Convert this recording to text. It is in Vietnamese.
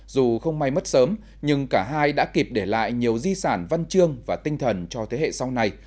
dù không may mất sớm nhưng cả hai đã kịp để lại nhiều di sản văn chương và tinh thần cho thế hệ sau này